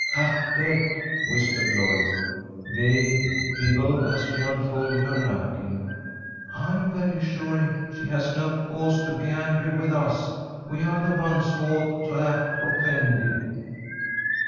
"Cut dead!" whispered Lloyd. Gay giggled, as she unfolded her napkin. "I'm very sure she has no cause to be angry with us. We are the ones who ought to act offended."